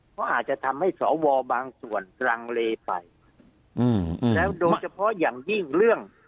เพราะอาจจะทำให้สวบางส่วนรังเลไปอืมแล้วโดยเฉพาะอย่างยิ่งเรื่อง